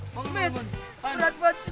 oh matt berat banget sih lu matt